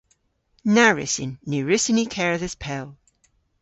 Na wrussyn. Ny wrussyn ni kerdhes pell.